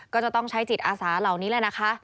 ก็จะต้องใช้จิตอาสาเหล่านี้แหละนะคะ